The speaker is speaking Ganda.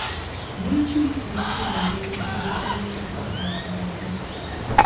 Lwaki mutera okwerabira ebintu bye tubeera twakayogerako?